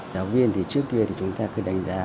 giáo viên thì trước kia thì chúng ta cứ đánh giá